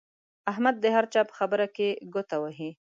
احمد د هر چا په خبره کې ګوته وهي.